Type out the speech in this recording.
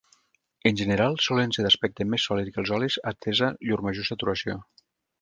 En general solen ser d'aspecte més sòlid que els olis atesa llur major saturació.